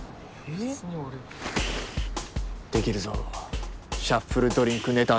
別に俺はできるぞシャッフルドリンクネタ